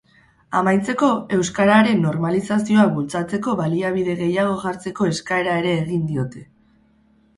Amaitzeko, euskararen normalizazioa bultzatzeko baliabide gehiago jartzeko eskaera ere egiten diote.